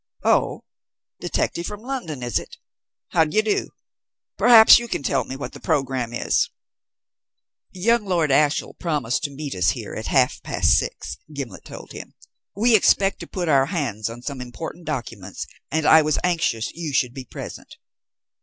Oh, detective from London, is it? How d'ye do? Perhaps you can tell me what the programme is?" "Young Lord Ashiel promised to meet us here at half past six," Gimblet told him. "We expect to put our hands on some important documents, and I was anxious you should be present."